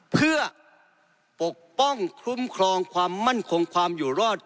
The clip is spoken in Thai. เพื่อปกป้องคุ้มครองความมั่นคงความอยู่รอด